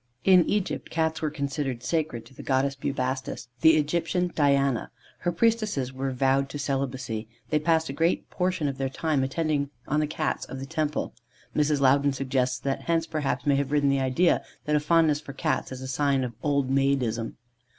In Egypt Cats were considered sacred to the Goddess Bubastis, the Egyptian Diana. Her priestesses were vowed to celibacy: they passed a great portion of their time attending on the Cats of the temple. Mrs. Loudon suggests that hence, perhaps, may have arisen the idea that a fondness for Cats is a sign of old maidism.